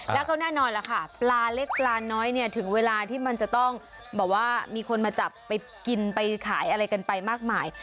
แล้วก็แน่นอนล่ะค่ะปลาเล็กปลาน้อยเนี่ยถึงเวลาที่มันจะต้องแบบว่ามีคนมาจับไปกินไปขายอะไรกันไปมากมาย